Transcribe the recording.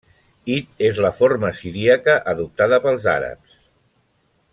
Hit és la forma siríaca adoptada pels àrabs.